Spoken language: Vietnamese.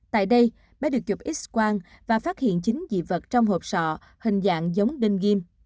tại đây bé được chụp x quang và phát hiện chín dị vật trong hộp sọ hình dạng giống đinh kim